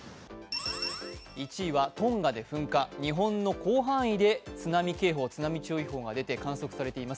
１位はトンガで噴火、日本の広範囲で津波警報、津波注意報が観測されています。